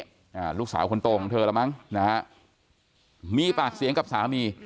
อ่าลูกสาวคนโตของเธอแล้วมั้งนะฮะมีปากเสียงกับสามี